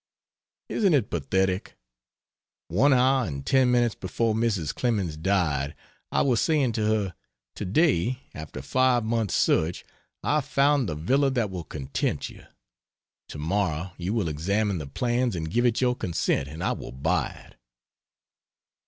Isn't it pathetic? One hour and ten minutes before Mrs. Clemens died I was saying to her "To day, after five months search, I've found the villa that will content you: to morrow you will examine the plans and give it your consent and I will buy it."